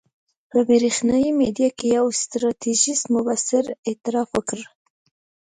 په برېښنایي میډیا کې یو ستراتیژیست مبصر اعتراف وکړ.